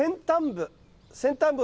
先端部。